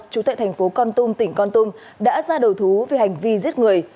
chủ tệ thành phố con tum tỉnh con tum đã ra đầu thú vì hành vi giết người